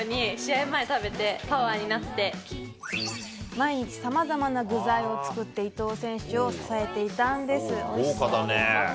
毎日さまざまな具材を作って伊藤選手を支えていたんです。